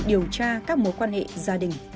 điều tra các mối quan hệ gia đình